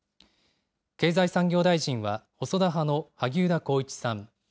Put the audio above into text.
経済産業大臣は細田派の萩生田光一さん。